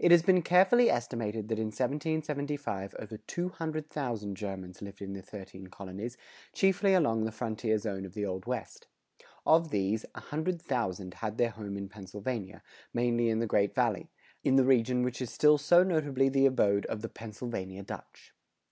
It has been carefully estimated that in 1775 over 200,000 Germans lived in the thirteen colonies, chiefly along the frontier zone of the Old West. Of these, a hundred thousand had their home in Pennsylvania, mainly in the Great Valley, in the region which is still so notably the abode of the "Pennsylvania Dutch."